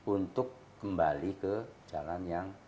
untuk kembali ke jalan yang